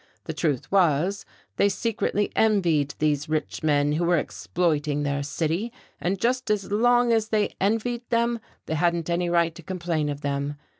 The truth was, they secretly envied these rich men who were exploiting their city, and just as long as they envied them they hadn't any right to complain of them.